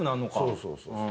そうそうそうそう。